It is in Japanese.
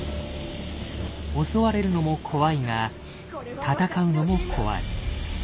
襲われるのも怖いが戦うのも怖い。